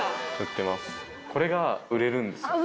これが売れるんです。